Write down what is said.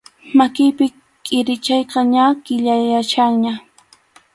Makiypi kʼirichayqa ña kʼillayachkanña.